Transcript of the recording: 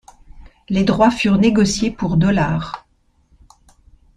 Les droits furent négociés pour $.